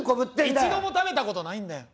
一度も食べたことないんだよ。